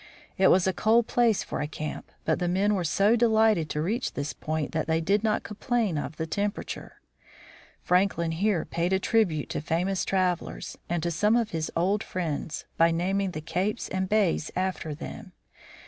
It was a cold place for a camp, but the men were so de lighted to reach this point that they did not complain of the temperature. Franklin here paid a tribute to famous travelers, and to some of his old friends, by naming the capes and bays after them.